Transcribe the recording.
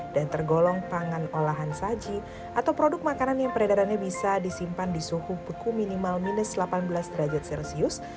dan tergolong pangan olahan saji atau produk makanan yang peredarannya bisa disimpan di suhu beku minimal minus delapan belas derajat celcius